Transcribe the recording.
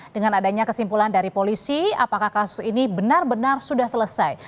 dengan adanya kesimpulan dari polisi apakah kasus ini benar benar sudah selesai